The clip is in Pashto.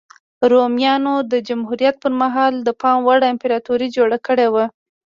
رومیانو د جمهوریت پرمهال د پام وړ امپراتوري جوړه کړې وه